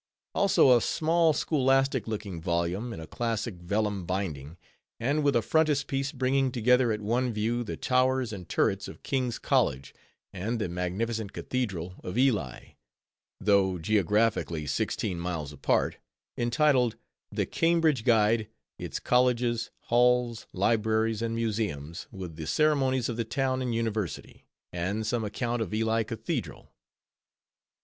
_ Also a small scholastic looking volume, in a classic vellum binding, and with a frontispiece bringing together at one view the towers and turrets of King's College and the magnificent Cathedral of Ely, though geographically sixteen miles apart, entitled, _"The Cambridge Guide: its Colleges, Halls, Libraries, and Museums, with the Ceremonies of the Town and University, and some account of Ely Cathedral."